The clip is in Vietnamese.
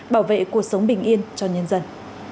bảo vệ cuộc sống bình yên cho nhân dân